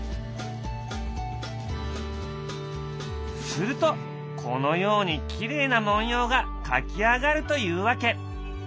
するとこのようにきれいな文様が描き上がるというわけ。